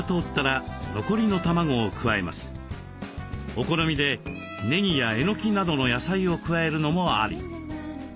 お好みでねぎやえのきなどの野菜を加えるのもあり。